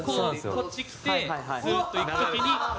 こっち来てツーッと行く時に。